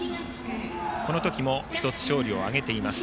この時も１つ、勝利を挙げています。